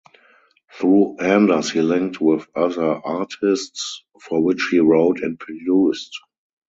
Through Anders he linked with other artists for which he wrote and produced.